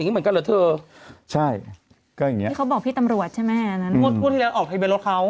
เราก็อยากเข้าวงการอะไรอย่างเงี้ย